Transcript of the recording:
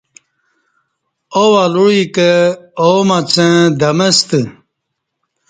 آو الوعی کہ آومڅں دمہ ستہ